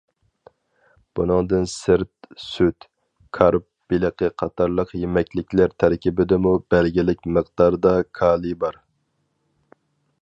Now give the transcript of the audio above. بۇنىڭدىن سىرت، سۈت، كارپ بېلىقى قاتارلىق يېمەكلىكلەر تەركىبىدىمۇ بەلگىلىك مىقداردا كالىي بار.